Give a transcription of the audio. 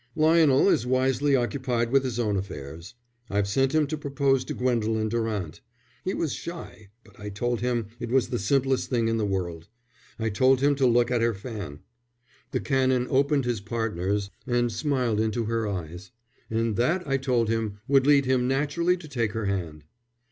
"Lionel is wisely occupied with his own affairs. I've sent him to propose to Gwendolen Durant. He was shy, but I told him it was the simplest thing in the world. I told him to look at her fan." The Canon opened his partner's and smiled into her eyes. "And that I told him would lead him naturally to take her hand."